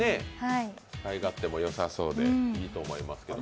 使い勝手もよさそうでいいと思いますけど。